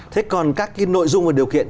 thế còn các nội dung và điều kiện